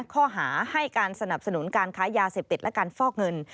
ข้อหาให้การสนับสนุนการค้ายาเสพติดและการฟอกเงิน